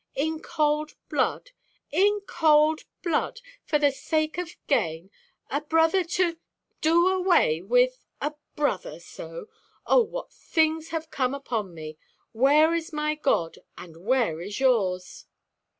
In cold blood! in cold blood! And for the sake of gain! A brother to—do away with—a brother so! Oh, what things have come upon me! Where is my God, and where is yours?"